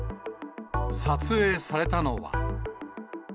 撮影されたのは。